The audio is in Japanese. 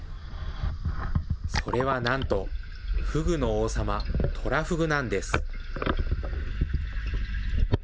それはなんと、フグの王様、トラフグなんです。